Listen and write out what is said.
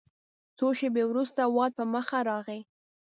څو شیبې وروسته واټ په مخه راغی.